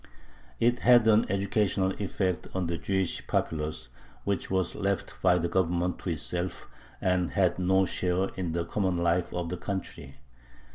It had an educational effect on the Jewish populace, which was left by the Government to itself, and had no share in the common life of the country.